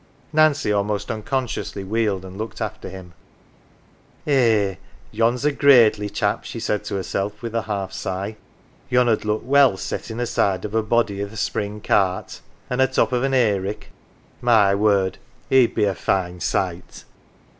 Nancy almost unconsciously wheeled, and looked after him. " Eh, yen's a gradely chap !" she said to herself with a half sigh. " Yon 'ud look well settin' aside of a body 78 NANCY T th' spring cart. An' a top of an ""ay rick my word ! he'd be a fine sight